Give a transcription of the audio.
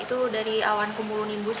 itu dari awan kumulonimbus